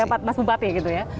tempat mas bupati gitu ya